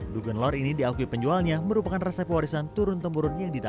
dugen lor ini diakui penjualnya merupakan resep warisan turun temurun yang ditandai